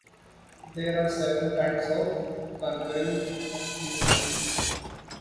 There are several kinds of concurring opinion.